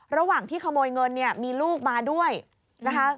ระหว่างที่ขโมยเงินเนี่ยมีลูกมาด้วยนะคะ